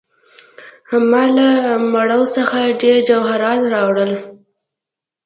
ما له مړو څخه ډیر جواهرات راوړل.